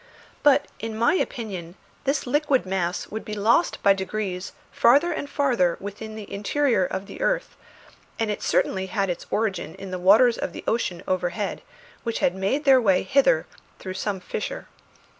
But in my opinion this liquid mass would be lost by degrees farther and farther within the interior of the earth, and it certainly had its origin in the waters of the ocean overhead, which had made their way hither through some fissure.